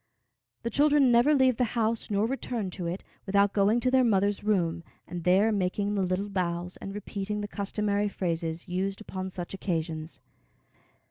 The children never leave the house, nor return to it, without going to their mother's room, and there making the little bows and repeating the customary phrases used upon such occasions.